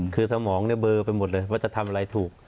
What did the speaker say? คือสมองเนี่ยเบอร์ไปหมดเลยว่าจะทำอะไรถูก